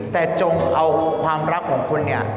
แต่จงเอาความรักของคุณ